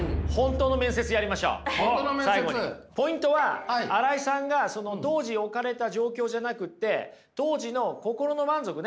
ポイントは新井さんが当時置かれた状況じゃなくて当時の心の満足ね。